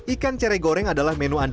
ikan cere goreng ini pas dengkal